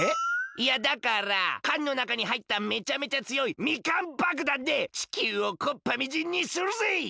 いやだから缶のなかにはいっためちゃめちゃつよいみかんばくだんで地球をこっぱみじんにするぜ！